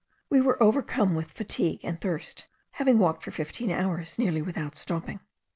We were overcome with fatigue and thirst, having walked for fifteen hours, nearly without stopping.